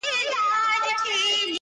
پخوا د كلي په گودر كي جـادو